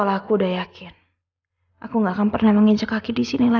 mas kayaknya suhu badannya rena normal deh